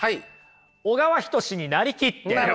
小川仁志に成りきって。